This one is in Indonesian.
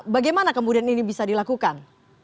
bagaimana kemudian ini bisa dilakukan